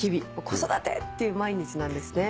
子育て！っていう毎日なんですね。